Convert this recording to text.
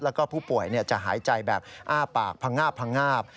แล้วก็ผู้ป่วยจะหายใจแบบอ้าปากพงาบพังงาบ